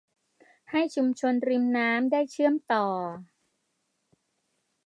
ให้ชุมชนริมน้ำได้เชื่อมต่อ